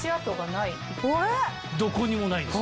どこにもないんです。